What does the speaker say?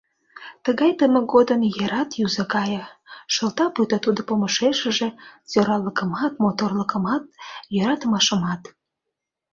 Тыгай тымык годым ерат юзо гае, шылта пуйто тудо помышешыже сӧраллыкымат, моторлыкымат, йӧратымашымат.